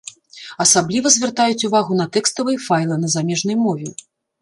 Асабліва звяртаюць увагу на тэкставыя файлы на замежнай мове.